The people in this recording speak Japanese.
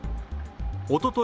おととい